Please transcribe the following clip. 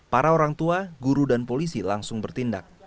para orang tua guru dan polisi langsung bertindak